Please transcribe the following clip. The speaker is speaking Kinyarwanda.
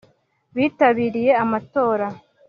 bitabiriye amatora.